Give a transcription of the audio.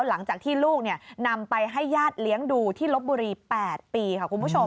หลังจากที่ลูกนำไปให้ญาติเลี้ยงดูที่ลบบุรี๘ปีค่ะคุณผู้ชม